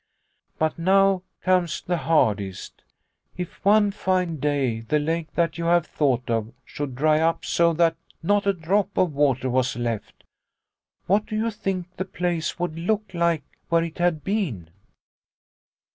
" But now comes the hardest. If, one fine day, the lake that you have thought of should dry up so that not a drop of water was left, what do you think the place would look like where it had been